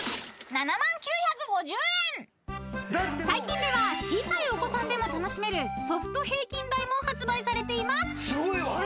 ［最近では小さいお子さんでも楽しめるソフト平均台も発売されています］